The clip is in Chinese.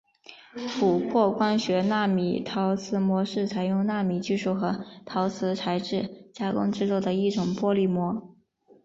琥珀光学纳米陶瓷膜是采用纳米技术和陶瓷材质加工制作的一种玻璃膜。